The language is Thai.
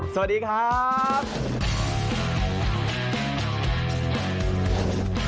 สวัสดีครับ